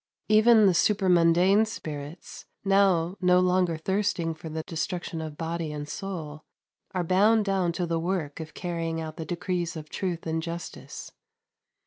Even the supermundane spirits, now no longer thirsting for the destruction of body and soul, are bound down to the work of carrying out the decrees of truth and justice.